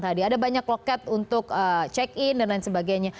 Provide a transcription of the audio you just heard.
tadi ada banyak loket untuk check in dan lain sebagainya